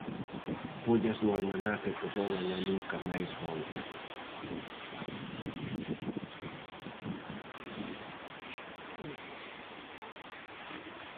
Follas do almanaque que voan e nunca máis voltan...